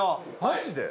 マジで？